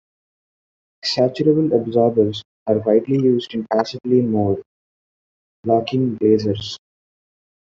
Saturable absorbers are widely used in passively mode locking lasers.